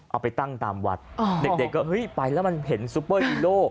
เอาไปตั้งตามวัดเด็กก็เฮ้ยไปแล้วมันเห็นซุปเปอร์ฮีโร่